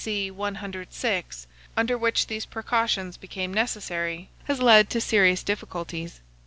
c. 106, under which these precautions became necessary, has led to serious difficulties.